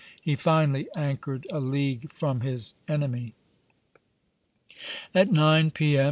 He finally anchored a league from his enemy. At nine P.M.